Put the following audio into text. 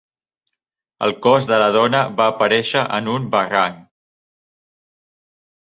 El cos de la dona va aparèixer en un barranc.